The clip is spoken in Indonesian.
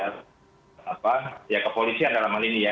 tawaran dari apa ya ke polisi adalah hal ini ya